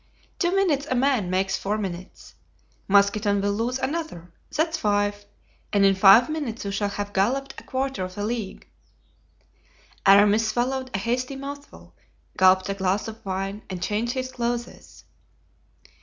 Two minutes a man makes four minutes. Mousqueton will lose another, that's five; and in five minutes we shall have galloped a quarter of a league." Aramis swallowed a hasty mouthful, gulped a glass of wine and changed his clothes.